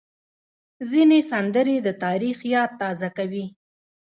ځینې سندرې د تاریخ یاد تازه کوي.